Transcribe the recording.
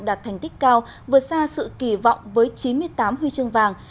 đạt thành tích cao vượt xa sự kỳ vọng với chín mươi tám huy chương vàng